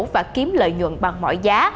và kiếm lợi nhuận bằng mọi giá